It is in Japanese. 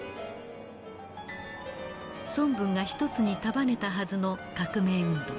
孫文が一つに束ねたはずの革命運動。